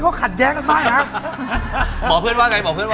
ออกไปเลย